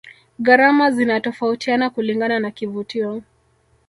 gharama zinatofautiana kulingana na kivutio